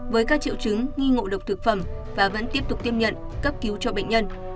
với các triệu chứng nghi ngộ độc thực phẩm và vẫn tiếp tục tiêm nhận cấp cứu cho bệnh nhân